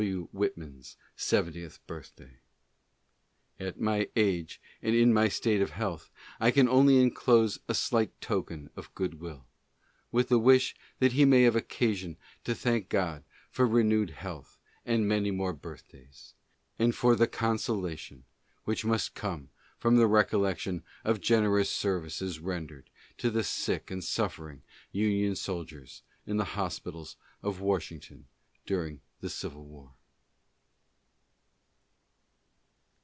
Whitman's seventieth birthday. At my age and in my state of health I can only enclose a slight token of good will, with the wish that he may have occasion to thank God for renewed health and many more birthdays, and for the consolation which must come from the recollection of generous services rendered to the sick and suffering Union soldiers in the hospitals of Washington during the Civil War.